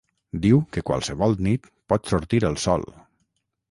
Diu que qualsevol nit pot sortir el sol